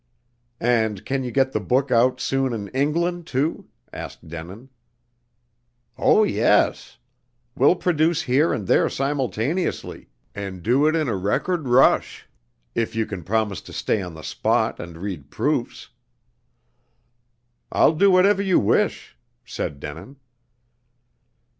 "And can you get the book out soon in England, too?" asked Denin. "Oh, yes. We'll produce here and there simultaneously, and do it in a record rush, if you can promise to stay on the spot and read proofs." "I'll do whatever you wish," said Denin.